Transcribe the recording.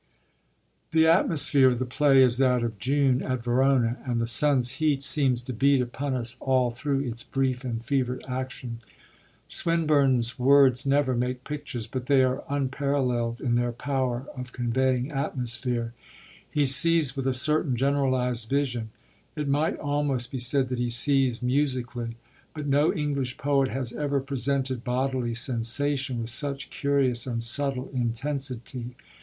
The atmosphere of the play is that of June at Verona, and the sun's heat seems to beat upon us all through its brief and fevered action. Swinburne's words never make pictures, but they are unparalleled in their power of conveying atmosphere. He sees with a certain generalised vision it might almost be said that he sees musically; but no English poet has ever presented bodily sensation with such curious and subtle intensity.